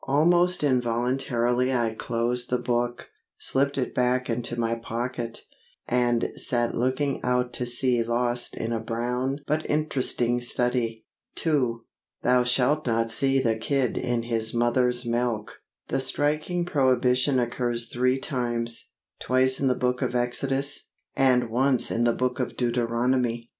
"' Almost involuntarily I closed the book, slipped it back into my pocket, and sat looking out to sea lost in a brown but interesting study. II 'Thou shalt not seethe a kid in his mother's milk!' The striking prohibition occurs three times twice in the Book of Exodus, and once in the Book of Deuteronomy.